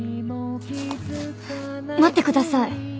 待ってください。